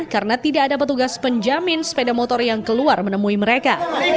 karena tidak ada petugas penjamin sepeda motor yang keluar menemui mereka